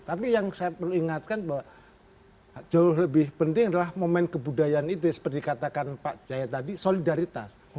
tapi yang saya perlu ingatkan bahwa jauh lebih penting adalah momen kebudayaan itu seperti katakan pak jaya tadi solidaritas